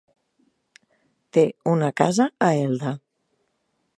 Té una casa a Elda.